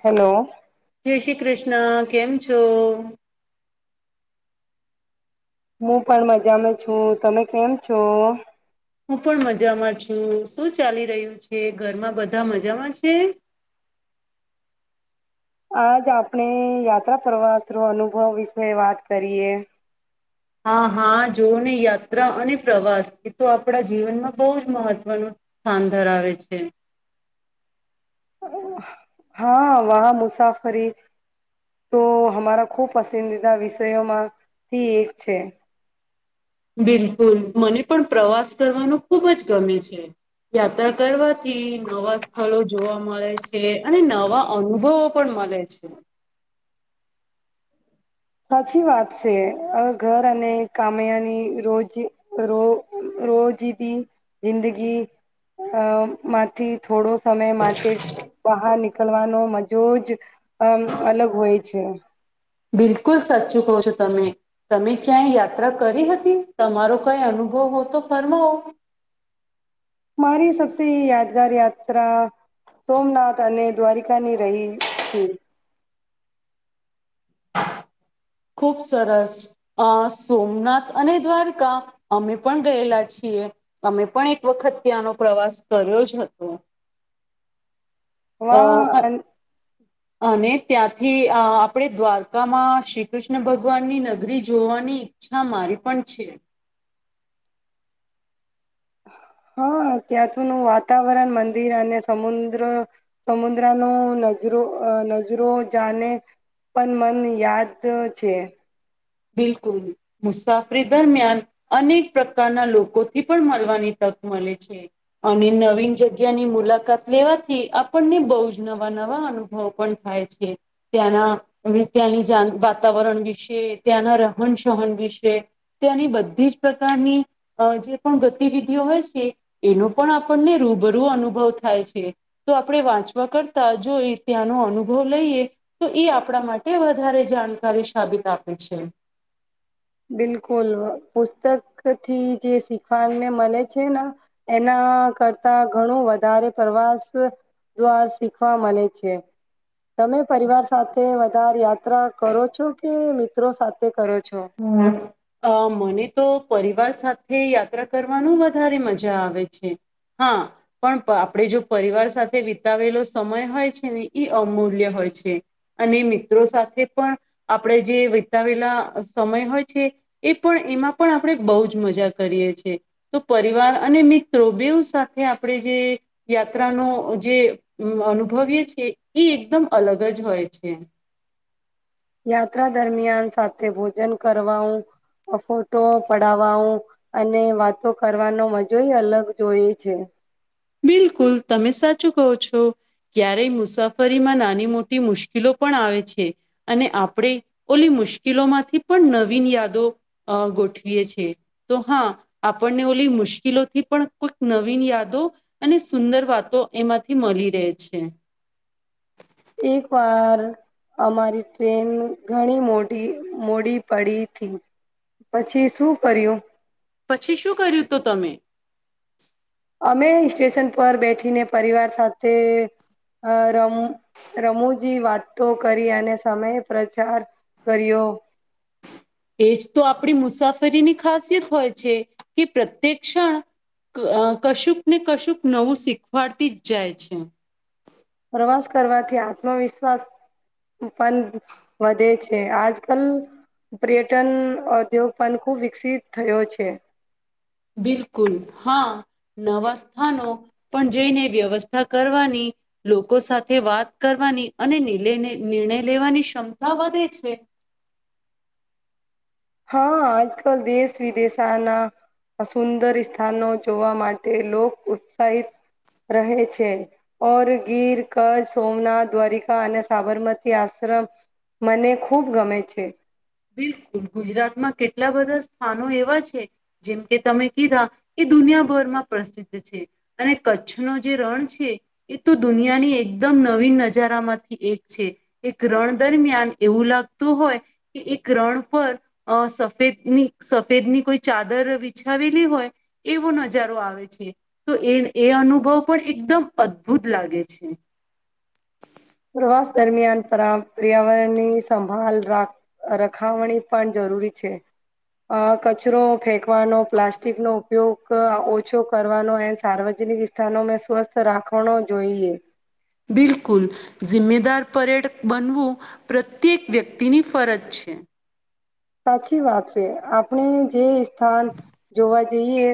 Hello. જય શ્રી કૃષ્ણ કેમ છો? હું પણ મજામાં છું તમે કેમ છો? હું પણ મજામાં છું શું ચાલી રહ્યું છે ઘરમાં બધા મજામાં છે? આજ આપણે યાત્રા પ્રવાસરો અનુભવ વિશે વાત કરીએ. હા હા જોવ ને યાત્રા અને પ્રવાસ એ તો આપડા જીવનમાં બઉ મહત્વનું સ્થાન ધરાવે છે. હા વાહ મુસાફરી તો હમારા ખુબ પસંદીદા વિષયોમાંથી એક છે. બિલકુલ મને પણ પ્રવાસ કરવાનો ખુબ જ ગમે છે યાત્રા કરવા થી નવા સ્થળો જોવા મળે છે અને નવા અનુભવો પણ મલે છે. સાચી વાત છે અ ઘર અને કામયાની રોજ રો રોજદી જિંદગી અ માંથી થોડો સમય માટે બહાર નીકળવાનો મજો જ અમ અલગ હોય છે. બિલકુલ સાચું કો છો તમે તમે ક્યાંય યાત્રા કરી હતી તમારો કઈ અનુભવ હો તો ફરમાવો. મારી સબસી યાદગાર યાત્રા સોમનાથ અને દ્વારિકાની રહી થી. ખુબ સરસ અ સોમનાથ અને દ્વારકા અમે પણ ગયેલા છીએ અમે પણ એક વખત ત્યાંનો પ્રવાસ કર્યો જ હતો. હ અ અહી અને ત્યાંથી આપડે દ્વારકામાં શિક કૃષ્ણ ભગવાનની નગરી જોવાની ઈચ્છા મારી પણ છે. હા ત્યાં થું નું વાતાવરણ મંદિર અને સમુદ્ર સમુદ્રનો નજરો અ નજરો જાને પણ મન યાદ છે. બિલકુલ મુસાફરી દરમિયાન અનેક પ્રકારના લોકોથી પણ મળવાની તક મળે છે અને નવીન જગ્યાની મુલાકાત લેવાથી આપણને બહુ જ નવા નવા અનુભવ પણ થાય છે ત્યાંના ત્યાંની જ વાતાવરણ વિશે ત્યાંના રહન સહન વિશે ત્યાંની બધી જ પ્રકારની અ જે પણ ગતિવિધિઓ હોય છે એનો પણ આપણને રૂબરૂ અનુભવ થાય છે તો આપડે વાંચવા કરતા જો એ ત્યાંનો અનુભવ લઈએ તો એ આપડા માટે વધારે જાણકારી સાબિત આપ હોય છે. બિલકુલ પુસ્તકથી જે શીખવાને મળે છે ને એના કરતા ઘણું વધારે પ્રવાસ દ્વાર શીખવા મળે છે તમે પરિવાર સાથે વધારે યાત્રા કરો છો કે મિત્રો સાથે કરો છો [unintelligible] અ મને તો પરિવાર સાથે યાત્રા કરવાનું વધારે મજા આવે છે હા પણ આપડે જો પરિવાર સાથે વિતાવેલો સમય હોય છે ને એ અમૂલ્ય હોય છે અને મિત્રો સાથે પણ આપડે જે વિતાવેલા સમય હોય છે એ પણ એમાં પણ આપડે બઉ જ મજા કરીએ છે તો પરિવાર અને મિત્રો બેવ સાથે આપડે જે યાત્રાનો જે અનુભવીએ છીએ એ એકદમ અલગ જ હોય છે. યાત્રા દરમિયાન સાથે ભોજન કરવા ફોટો પડાવવા અને વાતો કરવાનો મજોય અલગ જોઈ છે. બિલકુલ તમે સાચું કહો છો ક્યારેય મુસાફરીમાં નાની મોટી મુશ્કિલો પણ આવે છે અને આપડે કોઈ મુશ્કિલોમાંથી પણ નવીન યાદો અ ગોઠવીએ છે તો હા આપણને ઓલી મુશ્કિલોથી પણ કોઈક નવીન યાદો અને સુંદર વાતો એમાંથી મળી રહે છે. એક વાર અમારી ટ્રેન ઘણી મોડી મોડી પડી થી પછી શું કર્યું પછી શું કર્યું તું તમે? અમે સ્ટેશન પર બેઠીને પરિવાર સાથે રમ રમૂજી વાતો કરી અને સમય પ્રચાર કર્યો. એજ તો આપડી મુસાફરીની ખાસિયત હોય છે કે પ્રત્યેક્ષણ કશુંક ને કશુંક નવું શીખવાડતી જ જાય છે. પ્રવાસ કરવાથી આત્મવિશ્વાસ પણ વધે છે આજ કલ પર્યટન ઉદ્યોગ પણ ખૂબ વિકસિત થયો છે. બિલકુલ હા નવા સ્થાનો પણ જઈને વ્યવસ્થા કરવાની લોકો સાથે વાત કરવાની અને નિર્ણયલઇ નિર્ણય લેવાની ક્ષમતા વધે છે. હા આજકાલ દેશ વિદેશાના સુંદર સ્થાનો જોવા માટે લોક ઉત્સાહિત રહે છે ઓર ગીર કરચ્છ સોમનાથ દ્વારિકા અને સાબરમતી આશ્રમ મને ખૂબ ગમે છે. બિલકુલ ગુજરાતમાં કેટલા બધા સ્થાનો એવા છે જેમ કે તમે કીધા એ દુનિયાભરમાં પ્રસિદ્ધ છે અને કચ્છનો જે રણ છે એ તો દુનિયાની એકદમ નવીન નજારામાંથી એક છે એક રણ દરમિયાન એવું લાગતું હોય કે એક રણ પર અ સફેદની સફેદની કોઈ ચાદર વિછાવેલી હોય એવો નજારો આવે છે તો એ એ અનુભવ પણ એકદમ અદભુત લાગે છે. પ્રવાસ દરમિયાન પર્યાવરણની સંભળ રા રખાવણી પણ જરૂરી છે આ કચરો ફેકવાનો પ્લાસ્ટિકનો ઉપયોગ ઓછો કરવાનો એ સાર્વજનિક વિસ્થાનોમાં સ્વસ્થ રાખવાનો જોઈએ બિલકુલ િમ્મેદાર પરેડ બનવું પ્રત્યેક વ્યક્તિની ફરજ છે સાચી વાત છે આપણે જે સ્થાન જોવા જઈએ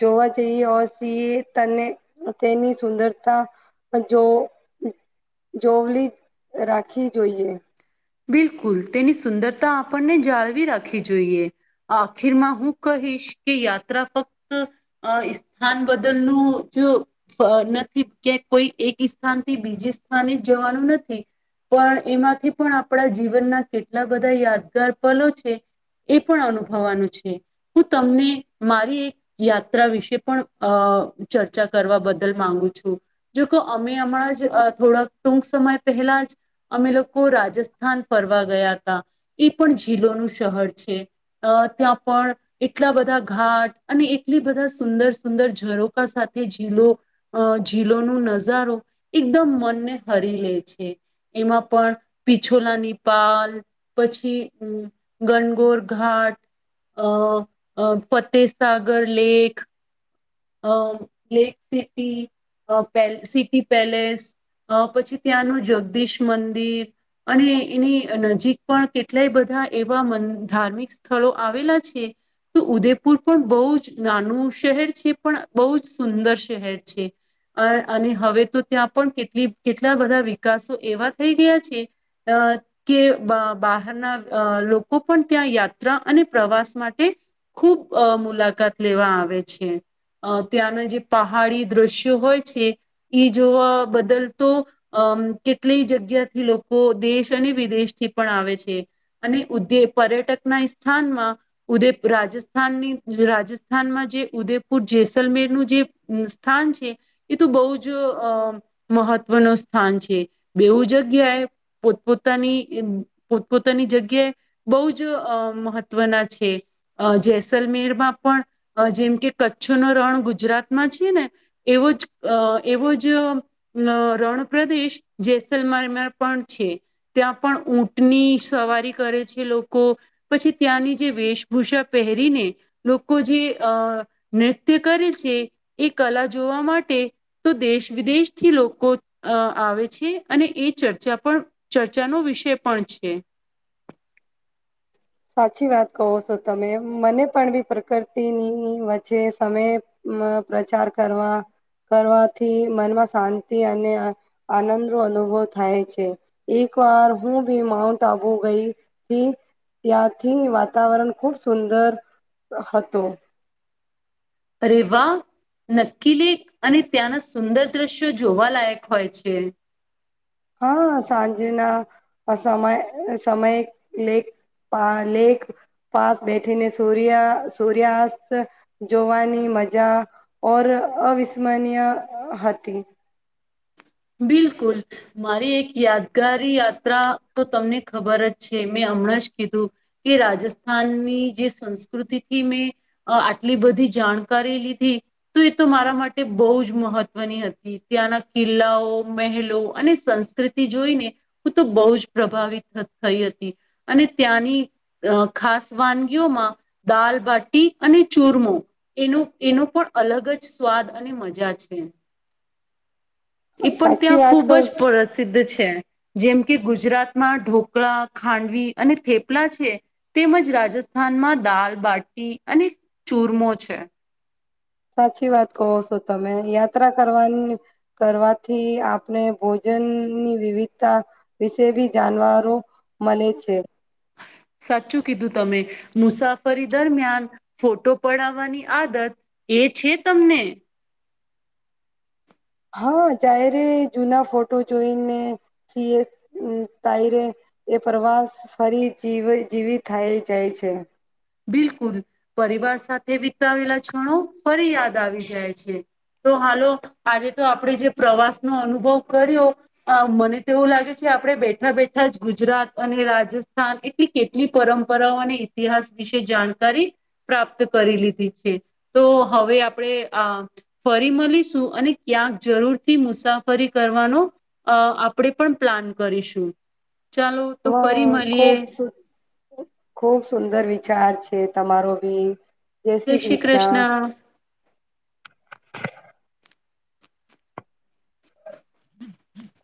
જોવા જઈએને તેની સુંદરતા જો જોવલી રાખવી જોઈએ બિલકુલ તેની સુંદરતા આપણને જાળવી રાખવી જોઈએ આખીરમાં હું કહીશ કે યાત્રા ફક્ત સ્થાન બદલનું જ નથી કે કોઈ એક સ્થાનથી બીજી સ્થાને જ જવાનું નથી પણ એમાંથી પણ આપણા જીવનના કેટલા બધા યાદગાર પલો છે એ પણ અનુભવાનું છે હું તમને મારી એક યાત્રા વિશે પણ અ ચર્ચા કરવા બદલ માંગુ છું જો અમે હમણાં જ થોડાક ટૂંક સમય પહેલા જ અમે રાજસ્થાન ફરવા ગયા હતા એ પણ ીલોનું શહર છે અ ત્યાં પણ એટલા બધા ઘાટ અને એટલી બધા સુંદર સુંદર રોકા સાથે જીલો ીલો ન નજારો એકદમ મનને હરી લે છે એમાં પણ પિછોલાનીપાલ પછી ગનગોર ઘાટ અ ફતેસાગર લેક અ લેક સિટી પે સિટી પેલેસ અ પછી ત્યાંનું જગદીશ મંદિર અને એની નજીક પણ કેટલાય બધા એવા ધાર્મિક સ્થળો આવેલા છે તો ઉદેપુર પણ બહુ જ નાનું શહેર છે પણ બહુ જ સુંદર શહેર છે અ અને હવે તો ત્યાં પણ કેટલી કેટલા બધા વિકાસો એવા થઈ ગયા છે કે બહારના લોકો પણ ત્યાં યાત્રા અને પ્રવાસ માટે ખૂબ મુલાકાત લેવા આવે છે અ ત્યાંના જે પહાડી દ્રશ્યો હોય છે ઈ જોવા બદલ તો અમ કેટલીય જગ્યાથી લોકો દેશ અને વિદેશથી પણ આવે છે અને ઉદ પર્યટકના સ્થાનમાં ઉદય રાજસ્થાનની રાજસ્થાનમાં જે ઉદયપ જેસલમેરનુંું જે સ્થાન છે એ તો બહુ જ મહત્વનું સ્થાન છે બેવું જગ્યાએ પોતપોતાની પોતપોતાની જગ્યાએ બહુ જ મહત્વના છે જેસલમેરમાં પણ જેમ કે કચ્છો ન રણ ગુજરાતમાં છે ને એવો જ અ એવો જ રણ પ્રદેશ જેસલમારમાં પણ છે ત્યાં પણ ઊંટની સવારી કરે છે લોકો પછી ત્યાંની જે વેશભૂષા પહેરીને લોકો જે અ નૃત્ય કરે છે એ કલા જોવા માટે તો દેશ વિદેશથી લોકો આવે છે અને એ ચર્ચા પણ ચર્ચાનો વિષય પણ છે સાચી વાત કહો છો તમે મને પણ બી પ્રકૃતિની વચ્ચે સમય પ્રચાર કરવા કરવાથી મનમાં શાંતિ અને આનંદ ન અનુભવ થાય છે એક વાર હું બી માઉન્ટ આબુ ગઈથી ત્યાંથી વાતાવરણ ખૂબ સુંદર હતું અરેવા નક્કીલી અને ત્યાંના સુંદર દ્રશ્યો જોવા લયક હોય છે હા સાંજના સમય સમય લેક લેક પાસ બેઠીને સૂર્ય સૂર્યાસ્ત જોવાની મજા ઓર અવિસ્મરણીય હતી બિલકુલ મારી એક યાદગારી યાત્રા તો તમને ખબર જ છે મેં હમણાં જ કીધું કે રાજસ્થાનની જે સંસ્કૃતિથી મેં આટલી બધી જાણકારી લીધી તો એ તો મારા માટે બહુ જ મહત્વની હતી ત્યાંના કિલ્લાઓ મહેલો અને સંસ્કૃતિ જોઈને હું તો બહુ જ પ્રભાવિત થઈ હતી અને ત્યાંની ખાસ વાનગીઓમાં દાલબાટી અને ચૂરમો એનો એનો પણ અલગ જ સ્વાદ અને મજા છે પણ સાચી ત્યાં વાત ખૂબ ક જ પ્રસિદ્ધ છે જેમ કે ગુજરાતમાં ઢોકળા ખાંડવી અને થેપલા છે તેમજ રાજસ્થાનમાં દાલ બાટી અને ચૂરમો છે સાચી વાત કહો છો તમે યાત્રા કરવા કરવાથી આપને ભોજનની વિવિધતા વિશે બી જાણવારો મળે છે સાચું કીધું તમે મુસાફરી દરમિયાન ફોટો પડાવવાની આદત એ છે તમને હા જહે્યારે જૂના ફોટો જોઈને ત એ પ્રવાસ ફરી જીવી થાય જાય છે બિલકુલ પરિવાર સાથે વિતાવેલા ક્ષણો ફરી યાદ આવી જાય છે તો હાલો આજે તો આપણે જે પ્રવાસનોો અનુભવ કર્યો મને તો એવું લાગે છે આપણેે બેઠા બેઠા જ ગુજરાત અને રાજસ્થાન એટલી કેટલી પરંપરાઓ અને ઇતિહાસ વિશે જાણકારી પ્રાપ્ત કરી લીધી છે તો હવે આપણે આ ફરી મળીશું અને ક્યાંક જરૂરથી મુસાફરી કરવાનો આપણે પણ પ્લાન કરીશું ચાલો હ તો ફરી ખુબ મળીએ ખૂબુંર સુંગર વિચાર છે તમારો બી જય શ્રી કૃષ્ણ હમ હ